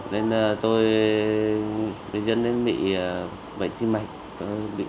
nên tôi bị dẫn đến bị bệnh tim mạch